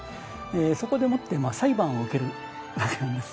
そこでもって裁判を受けるわけなんです。